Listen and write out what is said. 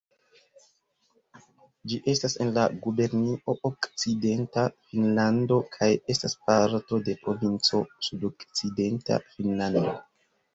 Ĝi estas en la gubernio Okcidenta Finnlando kaj estas parto de provinco Sudokcidenta Finnlando.